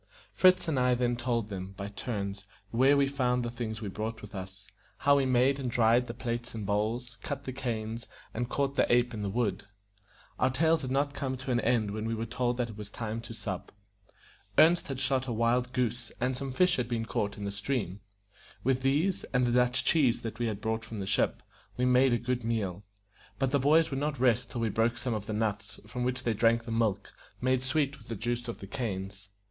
Fritz and I then told them, by turns, where we found the things we brought with us, how we made and dried the plates and bowls, cut the canes, and caught the ape in the wood. Our tales had not come to an end when we were told that it was time to sup. Ernest had shot a wild goose, and some fish had been caught in the stream. With these, and the Dutch cheese that we brought from the ship, we made a good meal; but the boys would not rest till we broke some of the nuts, from which they drank the milk, made sweet with the juice of the canes.